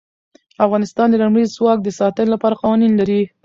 افغانستان د لمریز ځواک د ساتنې لپاره قوانین لري.